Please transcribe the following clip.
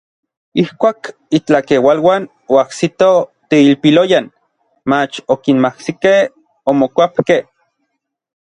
Ijkuak intlakeualuan oajsitoj teilpiloyan, mach okinmajsikej, omokuapkej.